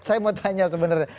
saya mau tanya sebenarnya